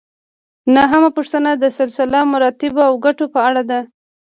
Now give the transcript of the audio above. نهمه پوښتنه د سلسله مراتبو او ګټو په اړه ده.